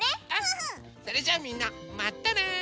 それじゃあみんなまたね！